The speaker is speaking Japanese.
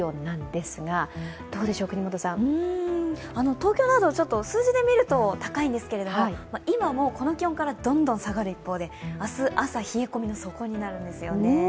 東京など、数字で見ると高いんですけれども、今もこの気温からどんどん下がる一方で明日朝、冷え込みの底になるんですよね。